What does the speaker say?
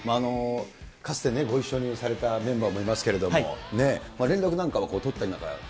かつてご一緒にされたメンバーもいますけれども、連絡なんかは取